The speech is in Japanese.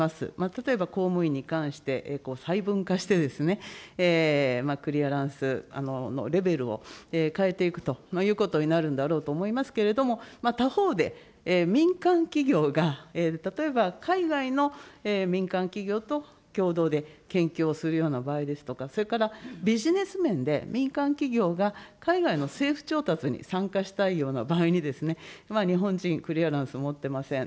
例えば公務員に関して細分化してですね、クリアランスのレベルを変えていくということになるんだろうと思いますけれども、他方で、民間企業が例えば海外の民間企業と共同で研究をするような場合ですとか、それからビジネス面で、民間企業が海外の政府調達に参加したいような場合に、日本人、クリアランス持ってません。